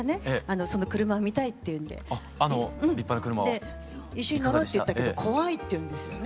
で「一緒に乗ろう」って言ったけど「怖い」って言うんですよね。